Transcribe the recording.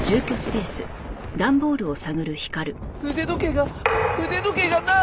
腕時計が腕時計がない！